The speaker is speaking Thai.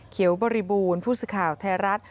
เขียวบริบูรณ์ผู่สู่ข่าวไทยรัฐ